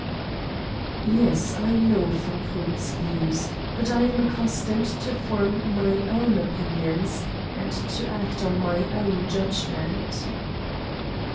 "Yes, I know von Krugen's views; but I am accustomed to form my own opinions and to act on my own judgment."